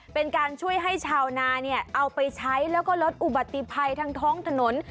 เป็นการช่วยให้ชาวนาเนี่ยเอาไปใช้แล้วก็ลดอุบัติภัยทางท้องถนน